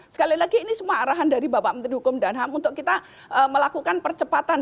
sekali lagi ini semua arahan dari bapak menteri hukum dan ham untuk kita melakukan percepatan